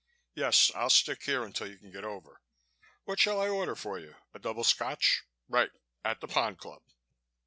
Yes, I'll stick here until you can get over.... What shall I order for you, a double Scotch?... Right! At the Pond Club."